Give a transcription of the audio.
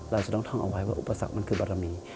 เราจะต้องท่องเอาไว้ว่าอุปสรรคมันคือบารมี